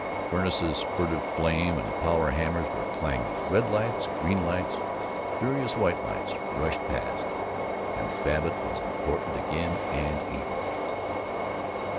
Furnaces spurted flame, and power hammers were clanging. Red lights, green lights, furious white lights rushed past, and Babbitt was important again, and eager.